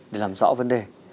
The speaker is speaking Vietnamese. để làm rõ vấn đề